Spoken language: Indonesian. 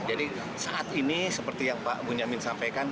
jadi saat ini seperti yang pak bunyamin sampaikan